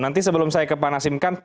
nanti sebelum saya ke pak nasim kan